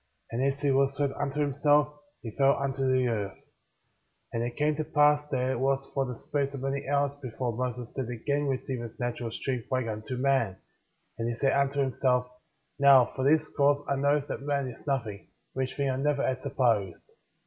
And as he was left unto himself, he fell unto the earth. 10. And it came to pass that it was for the space of many hours before Moses did again receive his natural strength like unto man; and he said unto himself : Now, for this cause I know that man is nothing,^ which thing I never had supposed.